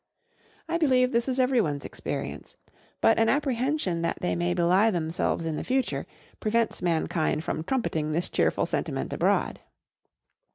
I believe this is every one's experience: but an apprehension that they may belie themselves in the future prevents mankind from trumpeting this cheerful sentiment abroad.